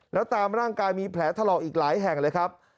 แล้วตามร่างกายมีแผลถลอกอีกหลายแห่งเลยครับ